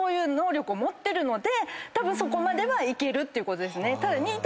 たぶんそこまではいけるっていうことですね。